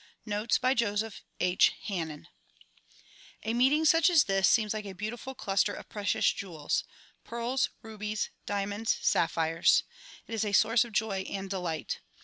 Notes by Joseph H. Hannen A :\IEETING such as this seems like a beautiful cluster of ^"^ precious jewels, — pearls, rubies, diamonds, sapphires. It is a source of joy and delight.